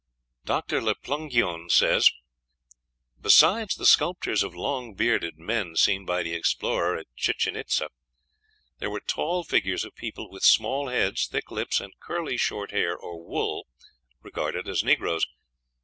Dr. Le Plongeon says: "Besides the sculptures of long bearded men seen by the explorer at Chichen Itza, there were tall figures of people with small heads, thick lips, and curly short hair or wool, regarded as negroes.